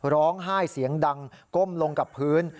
ร้องไห้เสียงดังก้มลงกับพื้น